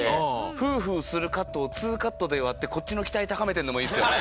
フーフーするカットをツーカットで割ってこっちの期待高めてるのもいいですよね。